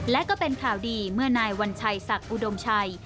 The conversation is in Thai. และก็เป็นข่าวดีเมื่อนายวัญชัยศักดิ์อุดมชัย